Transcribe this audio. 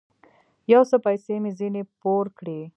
يو څه پيسې مې ځنې پور کړې.